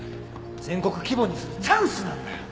全国規模にするチャンスなんだよ！